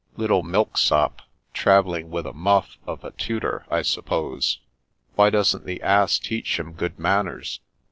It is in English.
" Little milksop, travelling with a muff of a tutor, I suppose. Why doesn't the ass teach him good manners?"